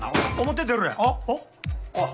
表出ろや！